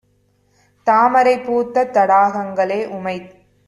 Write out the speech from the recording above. தாமரை பூத்த தடாகங்களே! உமைத்